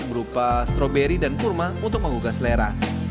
berupa stroberi dan kurma untuk menggugah selera